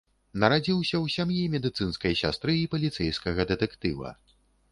Нарадзіўся ў сям'і медыцынскай сястры і паліцэйскага дэтэктыва.